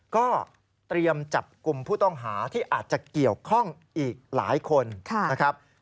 ก็เตรียมจับกลุ่มผู้ต้องหาที่อาจจะเกี่ยวข้องอีกหลายคนนะครับ